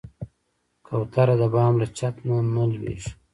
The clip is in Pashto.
کوتره د بام له چت نه نه لوېږي.